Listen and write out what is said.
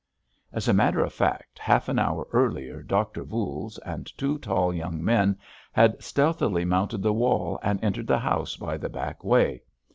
As a matter of fact, half an hour earlier Doctor Voules and two tall young men had stealthily mounted the wall and entered the house by the back way.